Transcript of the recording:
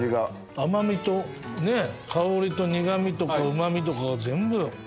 甘みと香りと苦みとこのうまみとかが全部。